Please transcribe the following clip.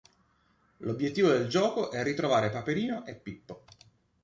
L'obiettivo del gioco è ritrovare Paperino e Pippo.